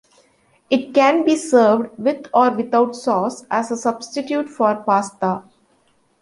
It can be served with or without sauce, as a substitute for pasta.